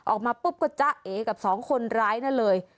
ออกมาปุ๊บก็จ๊ะเอกับสองคนร้ายนั่นเลย